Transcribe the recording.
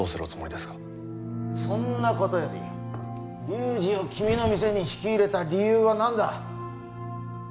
そんな事より龍二を君の店に引き入れた理由はなんだ？